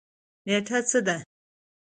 نیټه څه ده؟